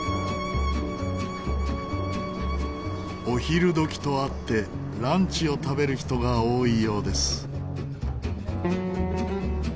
お昼時とあってランチを食べる人が多いようです。